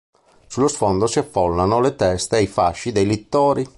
Sullo sfondo si affollano le teste e i fasci dei littori.